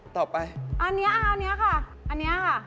ต่อไปอันนี้ค่ะอันนี้ค่ะ